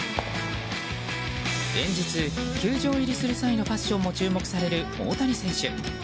連日、球場入りする際のファッションも注目される大谷選手。